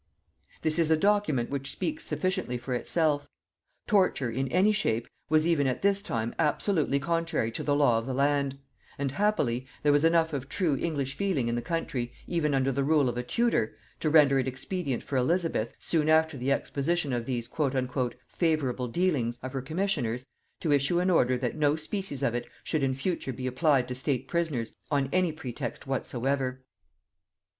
This is a document which speaks sufficiently for itself. Torture, in any shape, was even at this time absolutely contrary to the law of the land; and happily, there was enough of true English feeling in the country, even under the rule of a Tudor, to render it expedient for Elizabeth, soon after the exposition of these "favorable dealings" of her commissioners, to issue an order that no species of it should in future be applied to state prisoners on any pretext whatsoever.